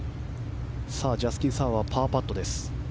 ジャスティン・サーはパーパットです。